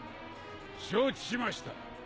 承知しました。